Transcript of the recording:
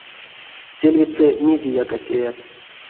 Сельведьсэ мезеяк а теят.